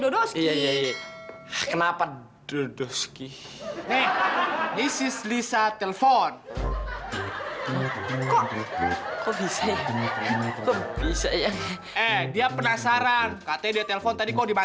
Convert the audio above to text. om ngerasa kehilangan om